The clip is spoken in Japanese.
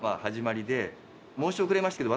申し遅れましたけど。